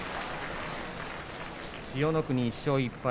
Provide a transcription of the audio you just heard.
千代の国、１勝１敗。